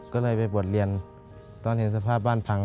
ก็เลยไปบวชเรียนตอนเห็นสภาพบ้านพัง